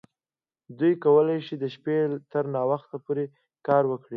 دوی کولی شي د شپې تر ناوخته پورې کار وکړي